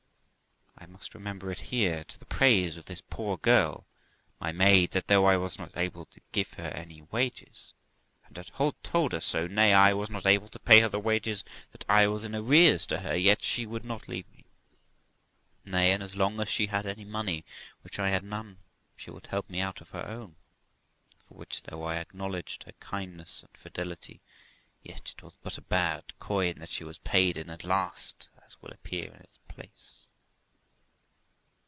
I must remember it here, to the praise of this poor girl, my maid, that though I was not able to give her any wages, and had told her so nay, 202 THE LIFE OF ROXANA I was not able to pay her the wages that I was in arrears to her yet she would not leave me ; nay, and as long as she had any money, when I had none, she would help me out of her own, for which, though I acknow ledged her kindness and fidelity, yet it was but a bad coin that she was paid in at last, as will appear in its place.